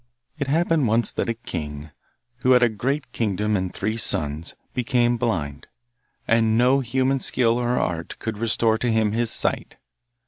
It happened once that a king, who had a great kingdom and three sons, became blind, and no human skill or art could restore to him his sight.